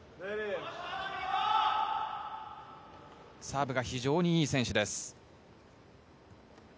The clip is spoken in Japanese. サーブが非常にいい選手です。